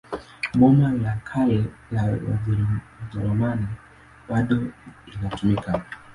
Boma la Kale la Wajerumani bado inatumika.